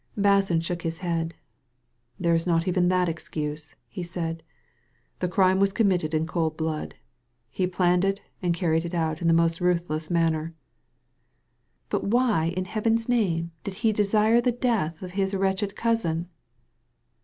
Basson shook his head. " There is not even that excuse," he said. The crime was committed in cold blood. He planned and carried it out in the most ruthless manner." " But why in Heaven's name did he desire the death of his wretched cousin